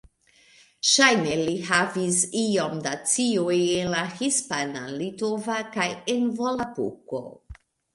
Ŝajne li havis iom da scioj en la hispana, litova kaj en Volapuko.